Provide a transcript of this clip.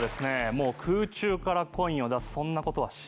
もう空中からコインを出すそんなことはしません。